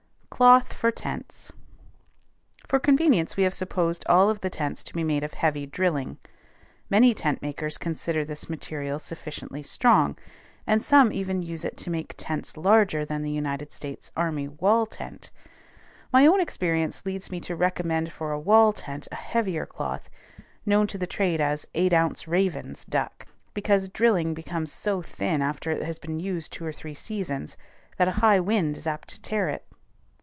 CLOTH FOR TENTS. For convenience we have supposed all of the tents to be made of heavy drilling. Many tent makers consider this material sufficiently strong, and some even use it to make tents larger than the United States army wall tent. My own experience leads me to recommend for a wall tent a heavier cloth, known to the trade as "eight ounce Raven's" duck, because drilling becomes so thin after it has been used two or three seasons that a high wind is apt to tear it.